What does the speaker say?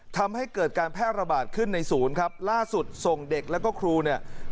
ทำให้เกิดการแพร่ระบาดขึ้นในศูนย์ครับล่าสุดส่งเด็กแล้วก็ครูเนี่ย